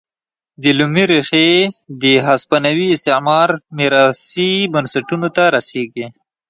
دې لومې ریښې د هسپانوي استعمار میراثي بنسټونو ته رسېږي.